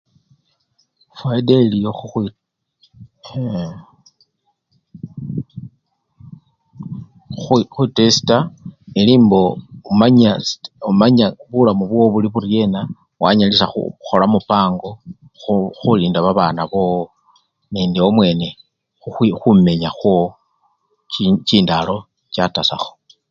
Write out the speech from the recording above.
Fayida eliwo khu eeeee! khu khwitesta elimbo omanya! omanya bulamu bwowo buli buryena wanmyalisha khu khukhola mupango khu khulinda babana bowo nende wamwene khukhwi! khumenya khwowo khu! chindalo chatasakho.